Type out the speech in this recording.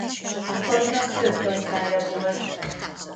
A falunak több gazdája volt.